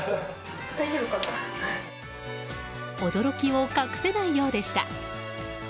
驚きを隠せないようでした。